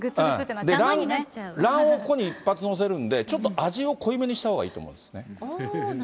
卵黄をここに一発載せるんで、ちょっと味を濃いめにしたほうがいいと思うんですね。